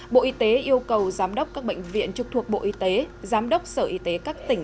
bộ y tế yêu cầu giám đốc các bệnh viện trực thuộc bộ y tế giám đốc sở y tế các tỉnh